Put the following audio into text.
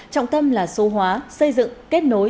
trọng tâm là số hóa xây dựng kết nối